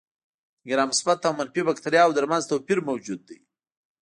د ګرام مثبت او منفي باکتریاوو تر منځ توپیر موجود دی.